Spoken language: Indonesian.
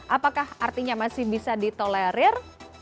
apakah artinya masih bisa ditolerir